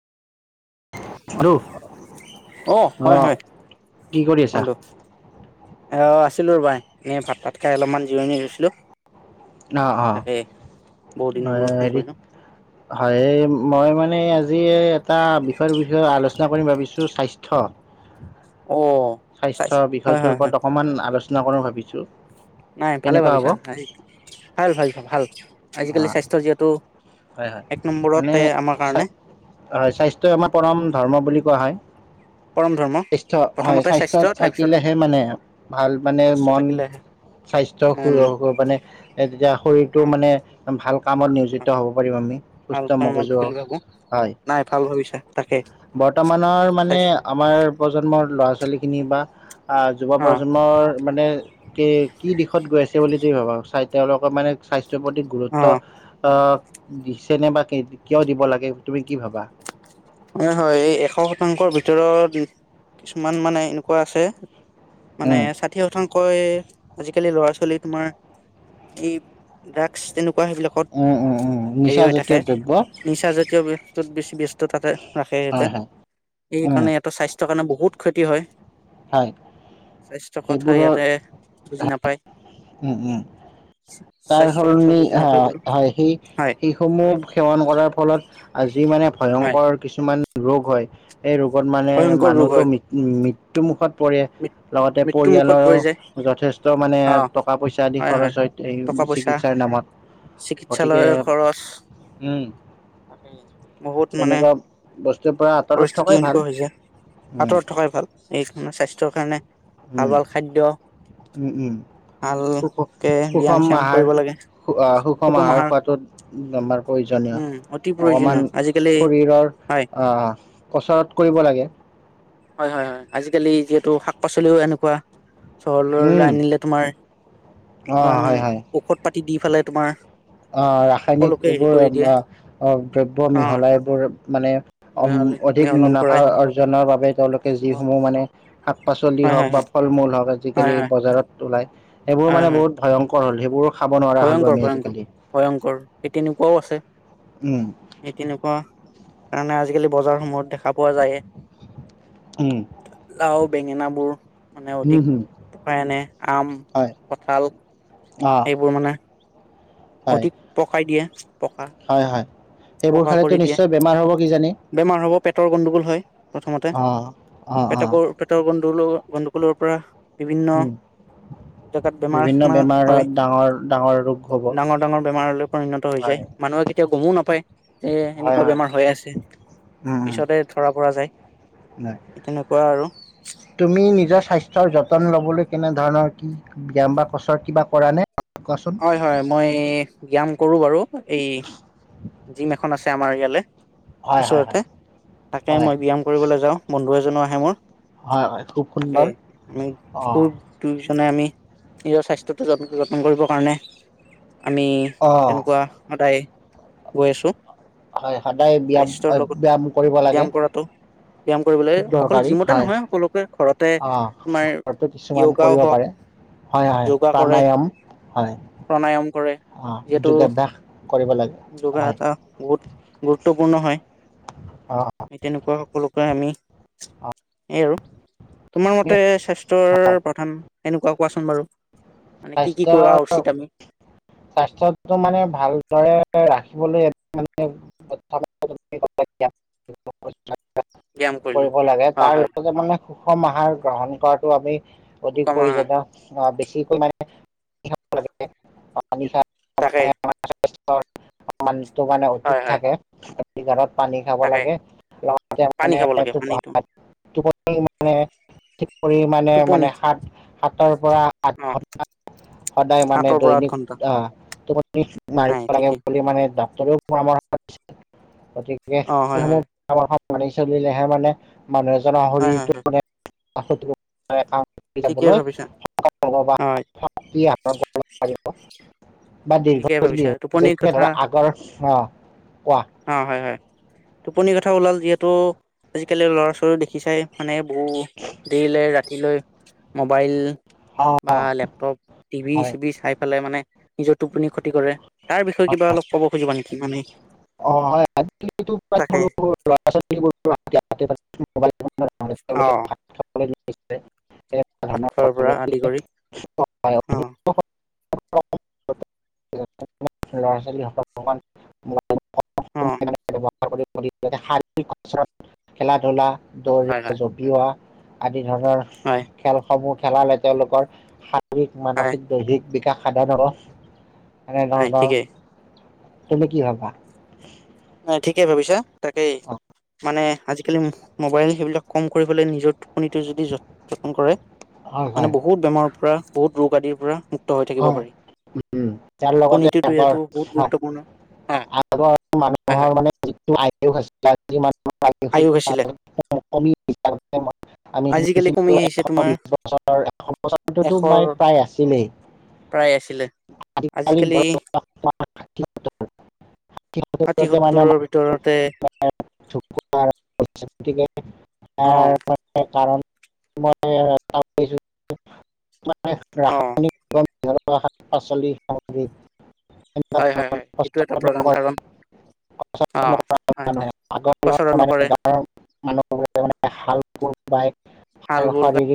আৰু অ অ, হয়, হয়, কি কৰি আছা বন্ধু। অ, আছিলোঁ ৰ'বাই। এনেই ভাত- ভাত খাই অলপমান জোৰণি লৈছিলোঁ। অ অ তাকে, বহুত দিনৰ মূৰত ফোন হেৰি কৰিলো। হয়, মই মানে আজি এটা বিষয়, বিষয়ে আলোচনা কৰিম ভাবিছোঁ স্বাস্থ্য। অ। চাই স্বাস্থ্য হয় বিষয়টোৰ হয় হয় ওপৰত অকমান আলোচনা কৰো ভাবিছোঁ। নাই ভালে কেনেকুৱা হ'ব ভাবিছা। ভাল- ভাল- ভাল অ আজিকালি স্বাস্থ্যৰ যিহেতু হয় হয় এক মানে নম্বৰতে আমাৰ কাৰণে। হয় স্বাস্থ্যই আমাৰ পৰম ধৰ্ম বুলি কোৱা হয় পৰম ধৰ্ম স্বাস্থ্য হয় প্ৰথমতে স্বাস্থ্য তাৰপিছত থাকিলেহে মানে ভাল মানে স্বাস্থ্য মন থাকিলেহে স্বাস্থ্য উম সুৰ মানে তেতিয়া শৰীৰটো অ মানে ভাল কামত অ নিয়োজিত হব পাৰিম আমি ভাল সুস্থ কৰ্মত মগজু বুলি ভাবো হয় নাই ভাল ভাবিছা তাকে বৰ্তমানৰ মানে স্বাস্থ্য আমাৰ প্ৰজন্মৰ ল'ৰা ছোৱালীখিনি বা যুৱ অ প্ৰজন্মৰ মানে কে কি দিশত গৈ আছে বুলি তুমি ভাবা স্বা তেওঁলোকৰ মানে স্বাস্থ্য প্ৰতি অ গুৰুত্ব অ' দিছে নে বা কিয় দিব লাগে তুমি কি ভাবা হয় হয় এই এশ শতাংশৰ ভিতৰত কিছুমান মানে এনেকুৱা আছে মানে উম ছাত [unintelligible] আজিকালিৰ ল'ৰা ছোৱালী তোমাৰ এই ড্ৰাগছ তেনেকুৱা সেইবিলাক উম উম উম নিচা জাতীয় দ্ৰব্য নিচাজাতীয় বস্তুত বেছি ব্যস্ত তাতে নাখায় সিঁহতে হয় হয় উম সেইকাৰণে ইহঁতৰ স্বাস্থ্য থৰ কাৰণে বহুত ক্ষতি হয় হয় স্বাস্থ্যৰ কথা সেইবোৰৰ ইহ‍ঁতে বুজি নাপায় উম উম তাৰ স্বাস্থ্যৰ কথা সলনি বুজি নাপায় বোলো হয় সেই হয় সে সমূহ সেৱন কৰাৰ ফলত আজি মানে হয় ভয়ংকৰ কিছুমান ৰোগ হয় এই ৰোগত মানে ভয়ংকৰ ৰোগ মানুহটো হয় মৃত্যুমুখত পৰে লগতে মৃত্যু মুুখত পৰি যায় পৰিয়ালৰো যথেষ্ট মানে অ টকা পইচা আদি খৰচ হয় টকা এই পইচা চিকিৎসাৰ নামত গতিকে চিকিৎসালয়ৰ খৰচ উম বহুত মানে। তেনেকুৱা [inaudible] পৰিস্থিতি ভাল এনেকুৱা হৈ যায়, উম আঁতৰত থকাই ভাল এই মানে স্বাস্থ্যৰ কাৰণে উম ভাল ভাল খাদ্য উম, উম। ভালকে ব্যয়াম-চ্যাম কৰিব লাগে। আ, সুষম আহাৰ খোৱাতো আমাৰ প্ৰয়োজনীয়, উম অতি প্ৰয়োজনীয় অকমান আজিকালি শৰীৰৰ হয় অ, অ', কচৰৎ কৰিব লাগে। হয়, হয়, হয়, আজিকালি যিহেতু শাক পাচলিও এনেকুৱা। চহৰলৈ উম আনিলে তোমাৰ অ ইমান হয় হয় ঔষধ-পাতি দি পেলাই তোমাৰ। অ', ৰাসায়নিক সকলোকে হেৰি এইবোৰ কৰি দিয়ে অ' অ', দ্ৰব্য অ মিহলাই এইবোৰ মানে মিহলি অধিক মিহলন মুনাফা কৰাই অ' জনৰ বাবে তেওঁলোকে যিসমূহ মানে, শাক-পাচলি হয় হওক হয় বা হয় ফল-মূল হওক হয় আজিকালি হয় বজাৰত ওলাই সেইবোৰ হয় মানে হয় বহুত ভয়ংকৰ হ'ল, সেইবোৰো খাব নোৱাৰা হলো ভয়ংকৰ আমি ভয়ংকৰ আজিকালি। ভয়ংকৰ সেই তেনেকুৱাও আছে। উম সেই তেনেকুৱা তামানে, আজিকালি বজাৰ সমূহত দেখা পোৱা যায়। উম লাও, বেঙেনা বোৰ মানে উম অধিক হম পকাই আনে আম, হয় কঁঠাল অ', [unintelligible] হয় অধিক পকাই দিয়ে। পকা হয়, হয়। সেইবোৰ পকা কৰি খালেতো দিয়ে নিশ্চয় বেমাৰ হ'ব কিজানি। বেমাৰ হ'ব পেটৰ গণ্ডগোল হয়, প্ৰথমতে অ অ অ পেটকৰ- পেটৰ গন্দগোলো গণ্ডগোলৰ পৰা- বিভিন্ন উম জেগাত বিভিন্ন বেমাৰ-চেমাৰ বেমাৰত হয়। ডাঙৰ ডাঙৰ ৰোগ। হ'ব ডাঙৰ ডাঙৰ বেমাৰলৈ পৰিণত হৈ হয় যায়, মানুহে কেতিয়াও গমো নাপায়। এ হয় সেনেকুৱা হয় বেমাৰ হৈ আছে। উম' পিছতহে ধৰা পৰা যায়। নাই। সেই তেনেকুৱা আৰু। তুমি নিজৰ স্বাস্থ্যৰ যতন ল'বলৈ কেনে ধৰণৰ কি- ব্যায়াম বা কছৰ কিবা কৰা নে কোৱাচোন? হয় হয়, মই এই ব্যায়াম কৰো বাৰু এই- জিম এখন আছে আমাৰ ইয়ালে। হয় হয় হয় ওচৰতে, তাতে হয় মই ব্যায়াম কৰিবলে যাওঁ, বন্ধু এজনো আহে মোৰ। হয় হয় খুব তাকে সুন্দৰ আমি অঁ খুব- দুয়োজনে আমি নিজৰ স্বাস্থ্যটো যতন যতন কৰিবৰ কাৰণে আমি- অঁ তেনেকুৱা সদায় গৈ আছো। হয়, সদায় ব্যায়াম স্বাস্থ্যৰ অ লগত ব্যায়াম কৰিব লাগে। ব্যায়াম কৰাটো ব্যায়াম কৰিবলৈ খুব অকল দৰকাৰী জিমতে হয়, নহয় সকলোকে ঘৰতে তোমাৰ অঁহ ঘৰটো কিছুমান য়োগাও কৰিব হওক পাৰে। হয়, হয়, যোগা কৰে প্ৰাণায়ম হয়'। প্ৰাণায়াম কৰে অঁ যিহেতু যোগাভ্যাস কৰিব লাগে যোগা হয় এটা বহুত- গুৰুত্বপূৰ্ণ হয়। অঁ' সেই তেনেকুৱা সকলোকে আমি অঁ। এই আৰু। তোমাৰ মতে স্বাস্থ্যৰ প্ৰধান এনেকুৱা কোৱাচোন বাৰু মানে কি কি স্বাস্থ্য কৰা উচিত? আমি স্বাস্থ্যটো মানে ভালদৰে ৰাখিবলৈ মানে সৎ- ব্যায়াম [unintelligible] কৰিলো কৰিব লাগে হয় তাৰ হয় লগতে মানে- সুষম আহাৰ গ্ৰহণ কৰাটো আমি অধিক কমা প্ৰয়োজনীয়, অঁ বেছিকৈ মানে- তাকে [unintelligible] মানুহটো মানে অতুত হয় হয় থাকে। [unintelligible] পানী খাব তাকে লাগে লগতে পানী মানে খাব লাগে এইটো পানীটো [unintelligible] টোপনি মানে, থিক কৰি মানে মানে টোপনি সাত সাতৰ পৰা আঠ অ ঘন- সদায় মানে সাতৰ পৰা আঠ দৈনিক ঘন্টা আঁহ তোমাৰ টোপনি নাই মাৰিব লাগে- ঠিকে বুলি মানে ডক্তৰেও পৰামৰ্শ দিছে, গতিকে অ হয় হয় সেইসমূহ- আ চলিলেহে মানে মানুহ এজনৰ হয় হয় শৰীৰটো হয় মানে- [unintelligible] ঠিকেই ভাবিছা হয় বা ঠিকেই দীৰ্ঘজীৱি ভাবিছা হ'ব, টোপনিৰ যেনেকে কথা ধৰা আগৰ অঁ কোৱা। অঁ হয়, হয়, টোপনিৰ কথা ওলাল যিহেতু আজিকালি ল'ৰা ছোৱালী দেখিচাই মানে- বহু দেৰিলে ৰাতিলৈ মোবাইল- অ বা লেপটপ টিভি হয় চিভি চাই পেলাই মানে- নিজৰ টোপনি খতি কৰে, তাৰ বিষয়ে কিবা অলপ ক'ব পাৰিবা নেকি? মানে- অঁ হয়, আজি কালি টো বিয়াত তাকে সৰু সৰু ল'ৰা ছোৱালী বোৰ- অঁ' খোৱাৰ [unintelligible] পৰা আদি কৰি অ [unintelligible] ল'ৰা ছোৱালীসকল। [unintelligible] অ শাৰীৰিক অপচন, খেলা ধূলা। হয় দৌৰা, হয় জপিওৱা আদি ধৰণৰ- হয়। খেলসমূহ খেলালে তেওঁলোকৰ শাৰীৰিক, হয় মানসিক, দৈহিক বিকাশ সাধন হব। নাই এনেধৰণৰ, ঠিকেই তুমি কি ভাবা? ঠিকেই ভাবিছা তাকেই। অ মানে আজিকালি মোবাইল সেইবিলাক কম কৰিবলৈ নিজৰ টোপনিটো যদি যতন কৰে- হয় হয় মানে বহুত বেমাৰৰ পৰা, বহুত ৰোগ আদিৰ পৰা- মুক্ত হৈ থাকিব হয় পাৰি, উম, তাৰ লগতে টোপনিটো এইটো বহুত গুৰুত্বপূৰ্ণ। হা আৰু হয় হয় মানুহৰ মানে যিটো আয়ুস আয়ুস আছে- আছিলে [unintelligible] আমি শুনিছিলো এশ আজিকালি কমি বিশ আহিছে তোমাৰ বছৰ, এশ বছৰটো এশৰ প্ৰায় আছিলেই। প্ৰায় আছিলে। [unintelligible] [unintelligible] [unintelligible] গতিকে আজিকালি ষাঠি সত্তৰৰ ভিতৰতে [unintelligible] অ কাৰণ মই [unintelligible] অ ৰাসায়নিক [unintelligible] শাক পাচলি খাওঁ। [unintelligible] হয় হয় হয় এইটো এটা প্ৰধান কাৰণ অ হয় [unintelligible] আগৰ দিনত কচৰণ নকৰে গাৱঁৰ মানুহবোৰে মানে- হাল, কোৰ বায় হাল বোল শাৰীৰিক-